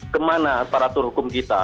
kemana asaratur hukum kita